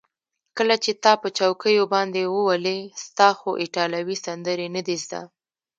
کله چې تا په چوکیو باندې وولي، ستا خو ایټالوي سندرې نه دي زده.